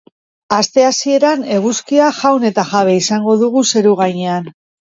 Aste hasieran eguzkia jaun eta jabe izango dugu zeru-gainean.